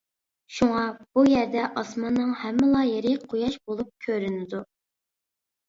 شۇڭا بۇ يەردە ئاسماننىڭ ھەممىلا يېرى قۇياش بولۇپ كۆرۈنىدۇ.